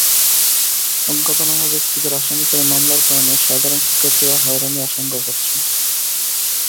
অজ্ঞাতনামা ব্যক্তিদের আসামি করে মামলার কারণে সাধারণ শিক্ষার্থীরা হয়রানি আশঙ্কা করছেন।